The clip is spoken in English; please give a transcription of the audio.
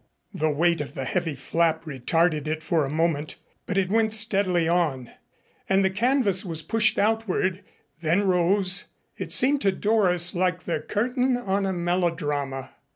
The weight of the heavy flap retarded it for a moment, but it went steadily on, and the canvas was pushed outward then rose it seemed to Doris like the curtain on a melodrama.